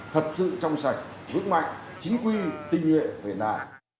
thật sự trong sạch vững mạnh chính quy tinh nguyện hiện đại